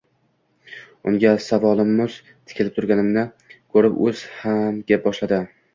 Unga savolomuz tikilib turganimni ko`rib o`zi ham gap boshladi